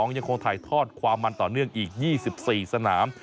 ยังคงถ่ายทอดความมันต่อเนื่องอีก๒๔สนาม